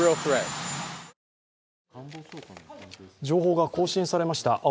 情報が更新されました。